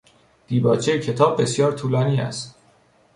دیباچهی کتاب بسیار طولانی است.